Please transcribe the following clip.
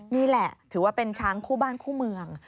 นี่แหละถือว่าเป็นช้างคู่บ้านคู่เมือง